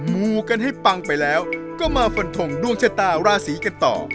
มูกันให้ปังไปแล้วก็มาฟันทงดวงชะตาราศีกันต่อ